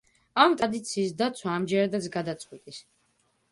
ამ ტრადიციის დაცვა ამჯერადაც გადაწყვიტეს.